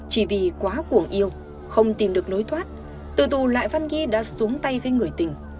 chỉ vì quá buồn yêu không tìm được nối thoát tử tu lại văn ghi đã xuống tay với người tình